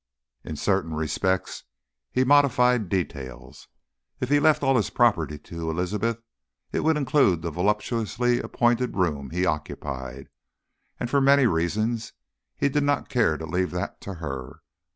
In certain respects he modified details. If he left all his property to Elizabeth it would include the voluptuously appointed room he occupied, and for many reasons he did not care to leave that to her.